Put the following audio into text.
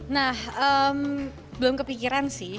nah belum kepikiran sih